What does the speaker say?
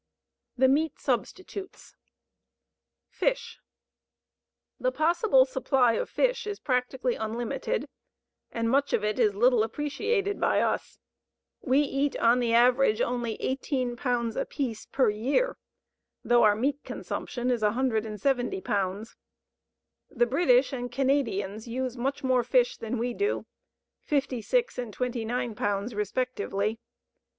THE MEAT SUBSTITUTES Fish. The possible supply of fish is practically unlimited, and much of it is little appreciated by us. We eat on the average only 18 pounds apiece per year, though our meat consumption is 170 pounds. The British and Canadians use much more fish than we do 56 and 29 pounds respectively.